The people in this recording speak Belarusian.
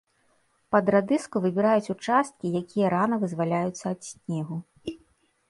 Пад радыску выбіраюць участкі, якія рана вызваляюцца ад снегу.